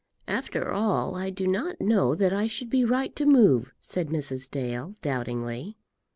"After all, I do not know that I should be right to move," said Mrs. Dale, doubtingly.